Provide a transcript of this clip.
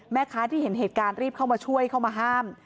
แม่ค้าที่เห็นเหตุการณ์รีบเข้ามาช่วยเข้ามาห้าม